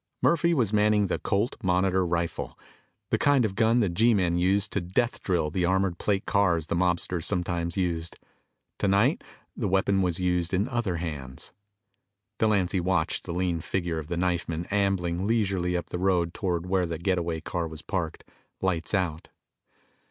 Murphy was manning the Colt Monitor rifle, the kind of gun the G men used to death drill the armor plate cars the mobsters sometimes used. Tonight the weapon was in other hands. Delancy watched the lean figure of the knifeman ambling leisurely up the road toward where the get away car was parked, lights out.